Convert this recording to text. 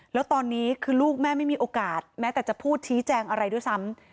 แล้วตอนนี้คือลูกแม่ไม่มีโอกาสแม้แต่จะพูดชี้แจงอะไรด้วยซ้ำ